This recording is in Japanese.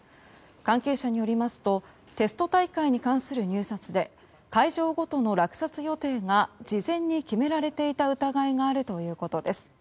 関係者によりますとテスト大会に関する入札で会場ごとの落札予定が事前に決められていた疑いがあるということです。